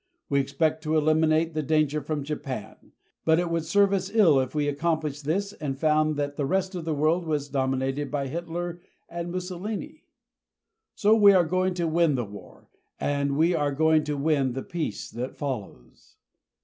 We expect to eliminate the danger from Japan, but it would serve us ill if we accomplished that and found that the rest of the world was dominated by Hitler and Mussolini. So we are going to win the war and we are going to win the peace that follows.